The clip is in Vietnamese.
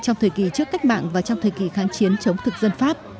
trong thời kỳ trước cách mạng và trong thời kỳ kháng chiến chống thực dân pháp